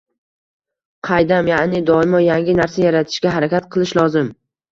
Qaydam? Yaʼni doimo yangi narsa yaratishga harakat qilish lozim.